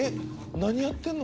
何やってんの？